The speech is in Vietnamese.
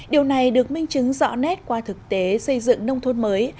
điều này được minh chứng rõ nét qua thực tế xây dựng nông thôn mới